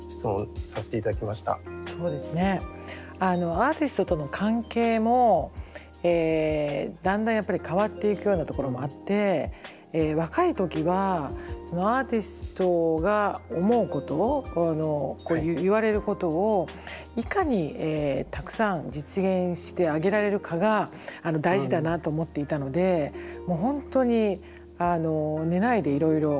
アーティストとの関係もだんだんやっぱり変わっていくようなところもあって若い時はそのアーティストが思うこと言われることをいかにたくさん実現してあげられるかが大事だなと思っていたのでもう本当に寝ないでいろいろ考えて実現をする。